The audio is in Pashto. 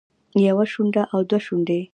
يوه شونډه او دوه شونډې